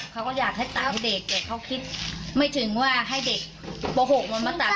เขาก็อยากให้ตัดให้เด็กนะฉัน๓๔